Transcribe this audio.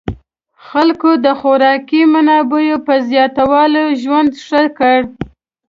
خلکو د خوراکي منابعو په زیاتوالي ژوند ښه کړ.